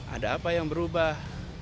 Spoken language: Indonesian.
ada apa yang berubah